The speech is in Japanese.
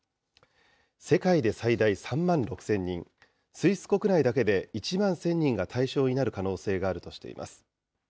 世界で最大３万６０００人、スイス国内だけで、１万１０００人が対象になる可能性があるとしています。